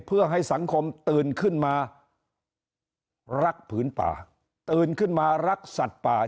เพื่อให้สังคมตื่นขึ้นมารักผืนป่าตื่นขึ้นมารักสัตว์ป่า